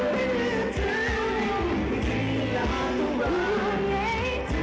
ยิ่งดึกก็ยิ่งคือข่าวเมื่อสี่หนุ่มเจสเตอร์